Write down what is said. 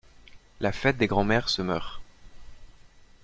La fête des grand-mères se meurt.